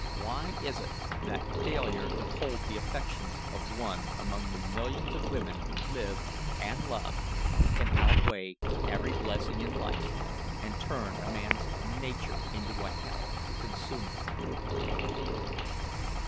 Why is it that failure to hold the affections of one among the millions of women who live, and love, can outweigh every blessing in life, and turn a man's nature into a hell, to consume him?